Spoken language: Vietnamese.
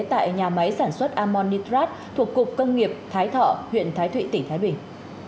tại nhà máy sản xuất amonicrat thuộc cục công nghiệp thái thọ huyện thái thụy tỉnh thái bình